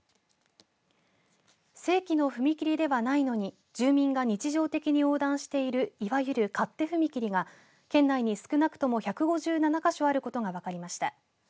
正規の踏切ではないのに、住民が日常的に横断しているいわゆる勝手踏切が県内に少なくとも１５７か所あることが分かりました。